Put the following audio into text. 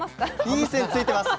いい線ついてます。